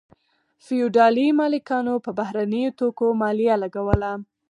فیوډالي مالکانو په بهرنیو توکو مالیه لګوله.